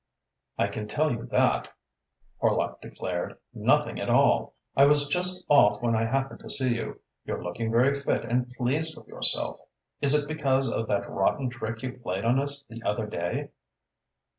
"I can tell you that," Horlock declared. "Nothing at all! I was just off when I happened to see you. You're looking very fit and pleased with yourself. Is it because of that rotten trick you played on us the other day?"